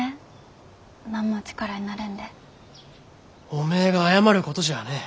おめえが謝ることじゃあねえ。